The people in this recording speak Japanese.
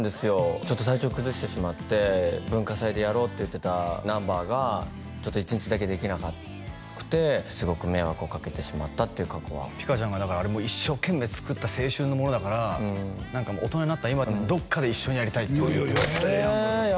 ちょっと体調崩してしまって文化祭でやろうって言ってたナンバーが１日だけできなくてすごく迷惑をかけてしまったっていう過去はピカちゃんがあれも一生懸命作った青春のものだから大人になった今でもどっかで一緒にやりたいって言ってましたえやろうよ